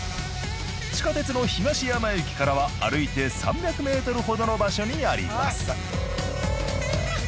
地下鉄の東山駅からは歩いて３００ｍほどの場所にあります。